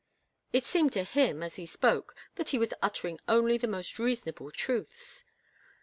." It seemed to him as he spoke that he was uttering only the most reasonable truths.